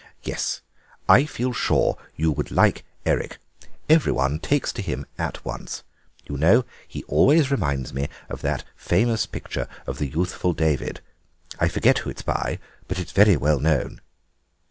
"Yes, I feel sure you would like Eric. Every one takes to him at once. You know, he always reminds me of that famous picture of the youthful David—I forget who it's by, but it's very well known."